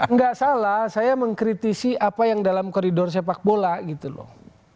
nggak salah saya mengkritisi apa yang dalam koridor sepak bola gitu loh